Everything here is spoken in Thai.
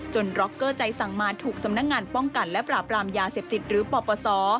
ร็อกเกอร์ใจสั่งมาถูกสำนักงานป้องกันและปราบรามยาเสพติดหรือปปศ